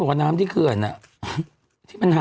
โทษทีน้องโทษทีน้อง